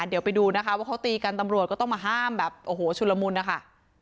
เดี๋ยวไปดูนะคะว่าเขาตีกันตำรวจก็ต้องมาห้ามแบบโอ้โหชุลมุนนะคะ